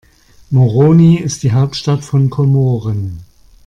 Moroni ist die Hauptstadt von Komoren.